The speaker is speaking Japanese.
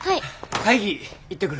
会議行ってくる。